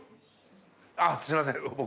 あっすいません僕。